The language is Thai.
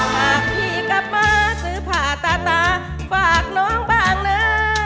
หากพี่ก็เปิ้ลซื้อผ่าตาตาฝากน้องบางเนื้อ